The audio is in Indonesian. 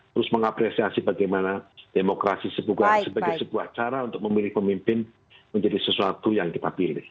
terus mengapresiasi bagaimana demokrasi sebagai sebuah cara untuk memilih pemimpin menjadi sesuatu yang kita pilih